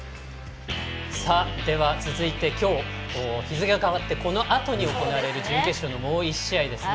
さあ、では続いて今日、日付が変わってこのあとに行われる準決勝のもう１試合ですね。